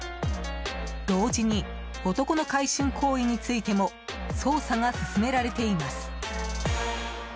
同時に男の買春行為についても捜査が進められています。